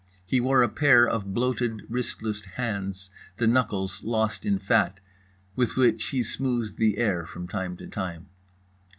He wore a pair of bloated wristless hands, the knuckles lost in fat, with which he smoothed the air from time to time.